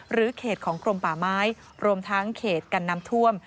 เขตของกรมป่าไม้รวมทั้งเขตกันน้ำท่วม